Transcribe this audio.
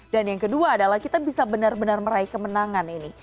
dan yang kedua adalah kita bisa benar benar meraih kemenangan ini